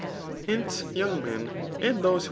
Hence, young men, and those who.